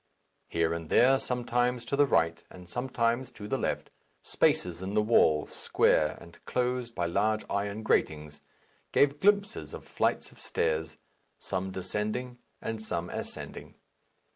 Here and there, sometimes to the right and sometimes to the left, spaces in the wall, square and closed by large iron gratings, gave glimpses of flights of stairs, some descending and some ascending.